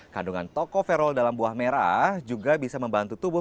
kandungan tokoferol dalam buah merah juga bisa membantu tubuh